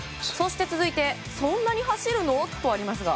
続いてそんなに走るの？とありますが。